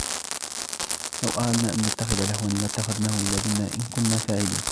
لَوْ أَرَدْنَا أَنْ نَتَّخِذَ لَهْوًا لَاتَّخَذْنَاهُ مِنْ لَدُنَّا إِنْ كُنَّا فَاعِلِينَ